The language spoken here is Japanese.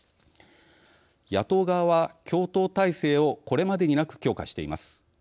野党側は共闘態勢をこれまでになく強化しています。